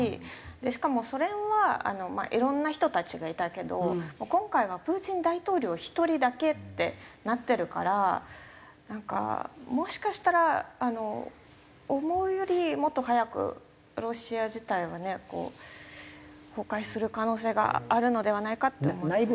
しかもソ連はまあいろんな人たちがいたけど今回はプーチン大統領１人だけってなってるからなんかもしかしたら思うよりもっと早くロシア自体はねこう崩壊する可能性があるのではないかって思います。